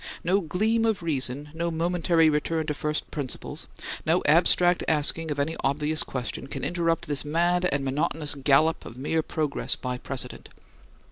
No gleam of reason, no momentary return to first principles, no abstract asking of any obvious question, can interrupt this mad and monotonous gallop of mere progress by precedent.